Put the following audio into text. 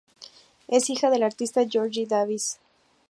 Es hija del artista George Davis.